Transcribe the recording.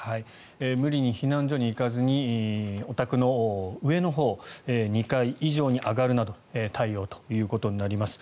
無理に避難所に行かずにお宅の上のほう２階以上に上がるなど対応ということになります。